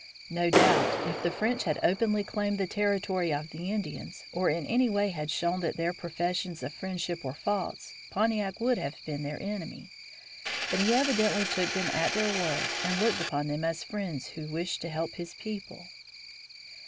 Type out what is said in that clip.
No doubt if the French had openly claimed the territory of the Indians, or in any way had shown that their professions of friendship were false, Pontiac would have been their enemy. But he evidently took them at their word and looked upon them as friends who wished to help his people.